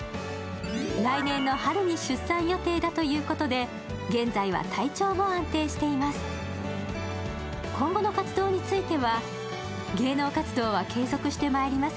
来年の春に出産予定だということで現在は体調も安定しています。